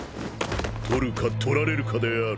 とるかとられるかである。